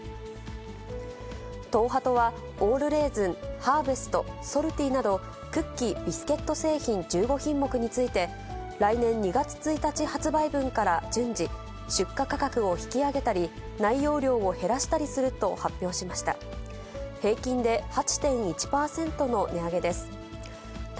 東ハトはオールレーズン、ハーベスト、ソルティなどクッキー、ビスケット製品１５品目について、来年２月１日発売分から順次、出荷価格を引き上げたり、内容量を減らしたりすると発表しました。